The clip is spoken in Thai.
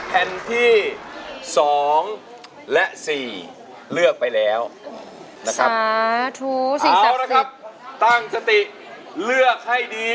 แผ่นที่เลือกไปแล้วคือแผ่นที่๔